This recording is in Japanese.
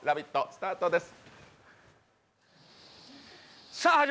スタートです！